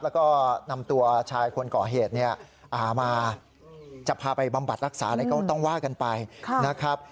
แล้วก็นำตัวชายคนก่อเหตุเนี่ยมาจะพาไปบำบัดรักษาอะไรก็ต้องว่ากันไปนะครับ